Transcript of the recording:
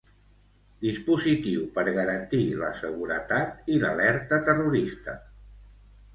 Dispositiu per garantir la seguretat i l'alerta terrorista.